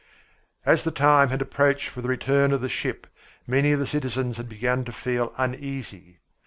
As the time had approached for the return of the ship, many of the citizens had begun to feel uneasy.